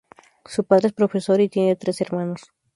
Su padre es profesor y tiene tres hermanos.